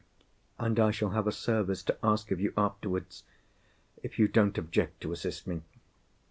And I shall have a service to ask of you afterwards, if you don't object to assist me."